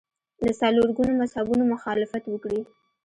له څلور ګونو مذهبونو مخالفت وکړي